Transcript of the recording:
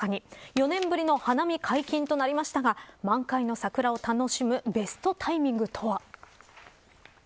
４年ぶりの花見解禁となりましたが満開の桜を楽しむベストタイミングとは。